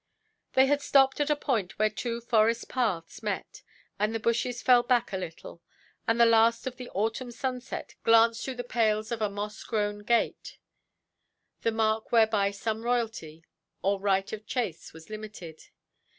They had stopped at a point where two forest–paths met, and the bushes fell back a little, and the last of the autumn sunset glanced through the pales of a moss–grown gate, the mark whereby some royalty, or right of chase, was limited.